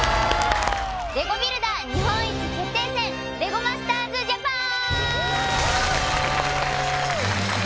レゴビルダー日本一決定戦レゴマスターズＪＡＰＡＮ